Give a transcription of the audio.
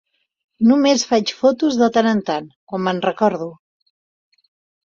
Només faig fotos de tant en tant, quan me'n recordo.